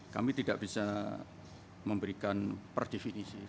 kami tidak bisa memberikan perdefinisi